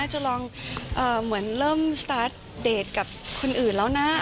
จะลองเหมือนเริ่มสตาร์ทเดทกับคนอื่นแล้วนะ